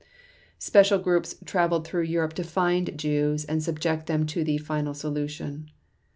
Special groups traveled through Europe to find Jews and subject them to the "final solution".